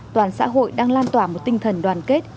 toàn xã hội đang lan tỏa một tinh thần đoàn kết